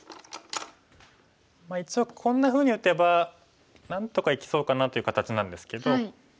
まあ一応こんなふうに打てばなんとか生きそうかなという形なんですけど。